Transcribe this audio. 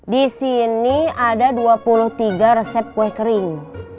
disini ada dua puluh tiga resep kue kering